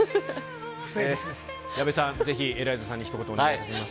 矢部さん、ぜひ、エライザさんにひと言お願いします。